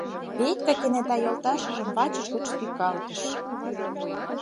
Петька кенета йолташыжым вачыж гыч тӱкалтыш: